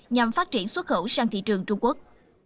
nhằm phát triển xuất khẩu sang thị trường trung quốc